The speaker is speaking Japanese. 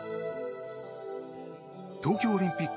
東京オリンピック